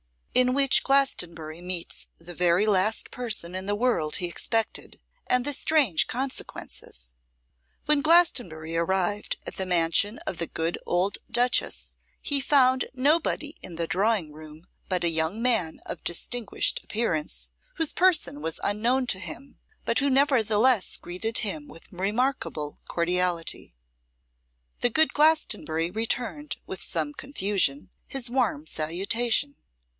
In Which Glastonbury Meets the Very Last Person in the World He Expected, and the Strange Consequences. WHEN Glastonbury arrived at the mansion of the good old duchess, he found nobody in the drawing room but a young man of distinguished appearance, whose person was unknown to him, but who nevertheless greeted him with remarkable cordiality. The good Glastonbury returned, with some confusion, his warm salutation.